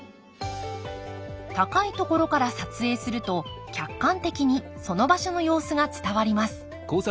高い所から撮影すると客観的にその場所の様子が伝わります。